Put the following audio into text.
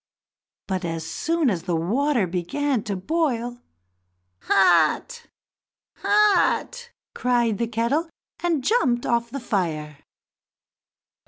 But, as soon as the water began to boil, "Hot! hot!" cried the kettle, and jumped off the fire.